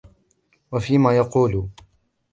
وَفِيهَا يَقُولُ